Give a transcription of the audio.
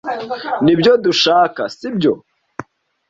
Nibyo dushaka, sibyo?